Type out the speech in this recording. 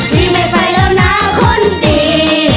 นี่ไม่ไปแล้วนะคนดี